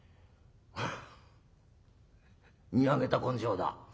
フッ見上げた根性だ。